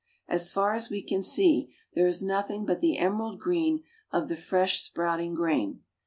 As far as we can see there is nothing but the emerald green of the fresh sprouting grain.